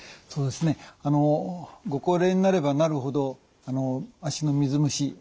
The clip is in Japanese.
ご高齢になればなるほど足の水虫